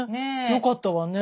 よかったわね。